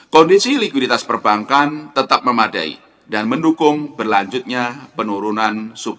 kondisi likuiditas perbankan tetap memadai dan mendukung berlanjutnya penurunan suku bunga